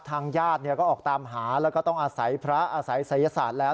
ทางญาติก็ออกตามหาแล้วก็ต้องอาศัยพระอาศัยศัยศาสตร์แล้ว